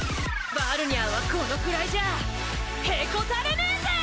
バルニャーはこのくらいじゃへこたれねぇぜぇ！